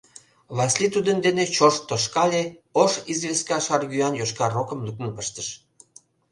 Васлий тудын дене чошт тошкале, ош известка шаргӱан йошкар рокым луктын пыштыш.